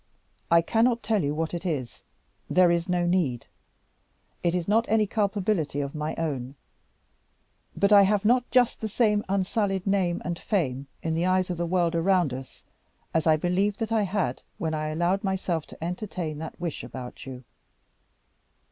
I cannot tell you what it is. There is no need. It is not any culpability of my own. But I have not just the same unsullied name and fame in the eyes of the world around us, as I believed that I had when I allowed myself to entertain that wish about you.